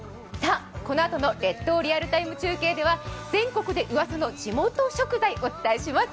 このあとの「列島リアルタイム中継」では全国でウワサの地元食材をお伝えします。